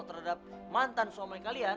terhadap mantan suami kalian